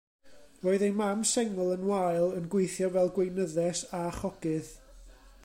Roedd ei mam sengl yn wael, yn gweithio fel gweinyddes a chogydd.